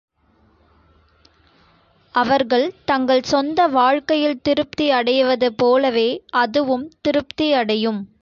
அவர்கள் தங்கள் சொந்த வாழ்க்கையில் திருப்தியடைவது போலவே அதுவும் திருப்தியடையும்.